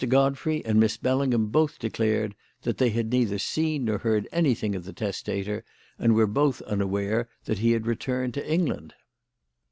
Godfrey and Miss Bellingham both declared that they had neither seen nor heard anything of the testator, and were both unaware that he had returned to England.